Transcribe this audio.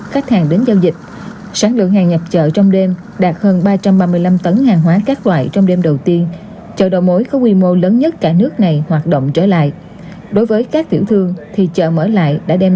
khách sạn khách sạn khách sạn khách sạn khách sạn khách sạn khách sạn khách sạn khách sạn khách sạn khách sạn khách sạn